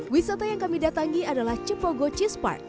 wisata yang kami datangi adalah cepogo cheese park